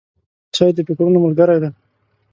چای د فکرونو ملګری دی.